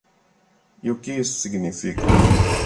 E o que isso significa?